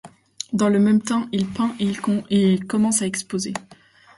Dans le même temps il peint et commence à exposer.